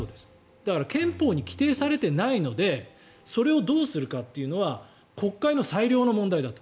だから憲法で規定されてないのでそれをどうするかというのは国会の裁量の問題だと。